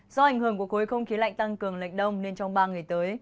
do ảnh hưởng của khối không khí lạnh tăng cường lệnh đông nên trong ba ngày tới